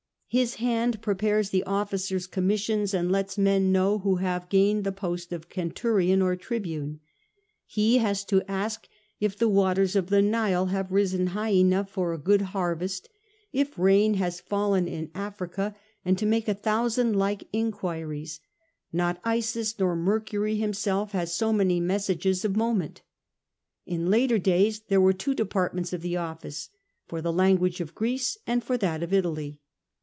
His hand prepares the officers' commissions, and lets men know who have gained the post of centurion or tribune. He has to ask if the waters of the Nile have risen high enough for a good harvest, if rain has fallen in Africa, and to make a thousand like enquiries ; not Isis, nor Mercury himself, has so many messages of moment.' In later days there were two departments of the office, for the language of Greece and for that of Italy.